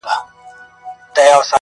تازي د ښکار پر وخت غول ونيسي.